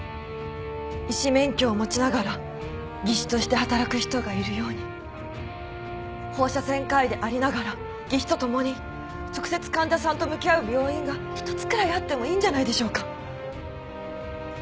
医師免許を持ちながら技師として働く人がいるように放射線科医でありながら技師と共に直接患者さんと向き合う病院が１つくらいあってもいいんじゃないでしょうか。